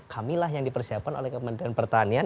kamilah yang dipersiapkan oleh kementerian pertanian